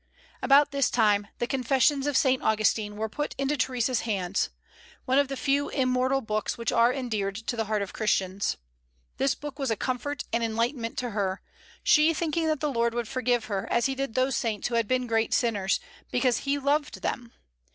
About this time the "Confessions of Saint Augustine" were put into Theresa's hands, one of the few immortal books which are endeared to the heart of Christians. This book was a comfort and enlightenment to her, she thinking that the Lord would forgive her, as He did those saints who had been great sinners, because He loved them.